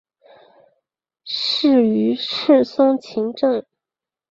仕于赤松晴政。